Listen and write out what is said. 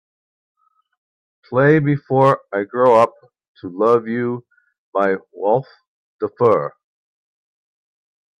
Play Before I Grew Up To Love You by Wafah Dufour